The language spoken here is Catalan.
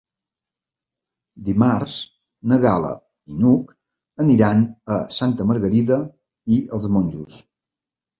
Dimarts na Gal·la i n'Hug aniran a Santa Margarida i els Monjos.